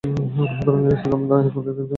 সুতরাং এর স্থলে আপনি আমাদের একজনকে রাখুন।